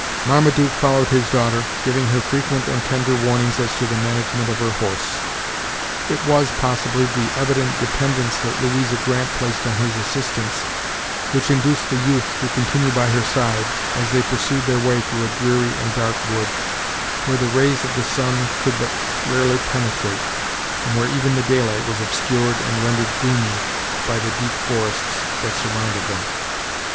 Marmaduke followed his daughter, giving her frequent and tender warnings as to the management of her horse. It was, possibly, the evident dependence that Louisa Grant placed on his assistance which induced the youth to continue by her side, as they pursued their way through a dreary and dark wood, where the rays of the sun could but rarely penetrate, and where even the daylight was obscured and rendered gloomy by the deep forests that surrounded them.